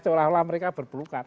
seolah olah mereka berpelukan